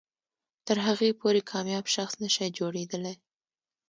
تر هغې پورې کامیاب شخص نه شئ جوړېدلی.